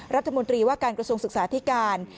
รัฐมนตรีว่าการกระทรวงศึกษาธิการ